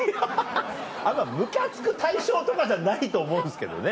あんまムカつく対象とかじゃないと思うんですけどね